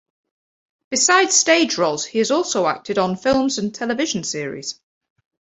Besides stage roles he has also acted on films and television series.